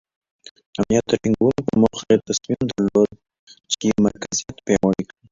د امنیت د ټینګولو په موخه یې تصمیم درلود چې مرکزیت پیاوړی کړي.